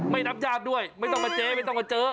นับญาติด้วยไม่ต้องมาเจอไม่ต้องมาเจอ